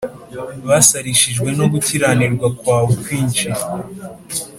basarishijwe no gukiranirwa kwawe kwinshi